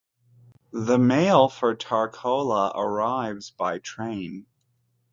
The mail for Tarcoola arrives by train.